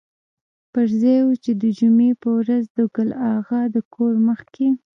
پر ځای و چې د جمعې په ورځ د ګل اغا د کور مخکې.